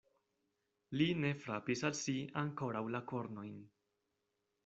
Li ne frapis al si ankoraŭ la kornojn.